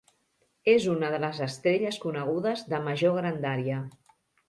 És una de les estrelles conegudes de major grandària.